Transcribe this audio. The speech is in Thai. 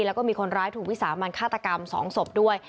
แล้วก็มีคนร้ายถูกวิสามันฆาตกรรม๒ศพด้วย